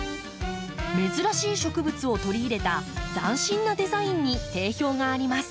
珍しい植物を取り入れた斬新なデザインに定評があります。